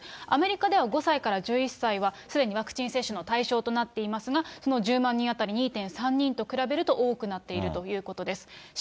アメリカでは５歳から１１歳は、すでにワクチン接種の対象となっていますが、その１０万人当たり２．３人と比べると、多くなっているということです。